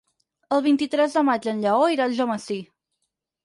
El vint-i-tres de maig en Lleó irà a Algemesí.